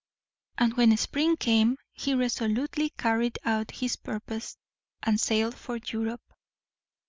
And when spring came he resolutely carried out his purpose, and sailed for Europe.